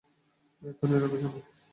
এত নীরব কেন?